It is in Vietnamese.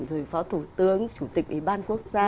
rồi phó thủ tướng chủ tịch ủy ban quốc gia